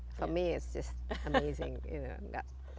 untuk saya itu sangat luar biasa